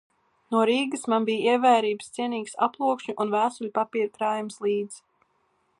No Rīgas man bija ievērības cienīgs aplokšņu un vēstuļu papīru krājums līdz.